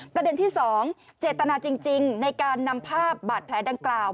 ประเด็นที่๒เจตนาจริงในการนำภาพบาดแผลดังกล่าว